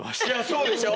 そうでしょ？